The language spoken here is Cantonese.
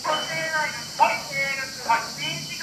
窩蛋免治牛肉飯係男人嘅浪漫